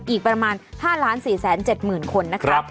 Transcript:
อีกประมาณ๕๔๗๐๐๐๐คนนะคะ